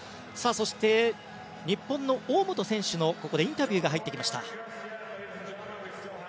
そして、日本の大本選手のインタビューが入ってきました。